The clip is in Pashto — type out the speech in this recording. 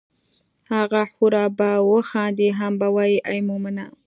هغه حوره به وخاندي هم به وائي ای مومنه!